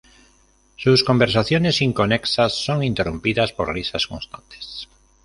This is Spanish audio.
Sus conversaciones inconexas son interrumpidas por risas constantes.